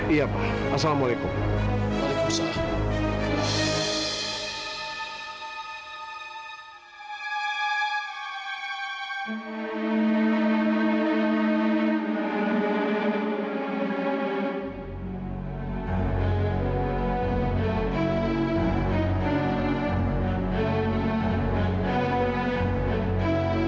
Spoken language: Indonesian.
iya pak assalamualaikum